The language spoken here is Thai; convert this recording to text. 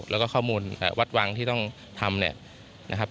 แล้วก็ข้อมูลวัฒน์วังที่ต้องทำ